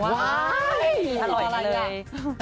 อร่อยกันเลย